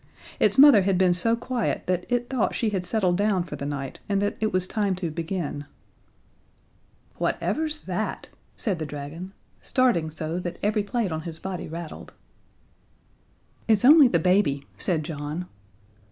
Its mother had been so quiet that it thought she had settled down for the night, and that it was time to begin. "Whatever's that?" said the dragon, starting so that every plate on his body rattled. "It's only the baby," said John.